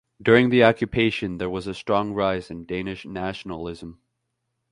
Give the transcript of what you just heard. During the occupation there was a strong rise in Danish nationalism.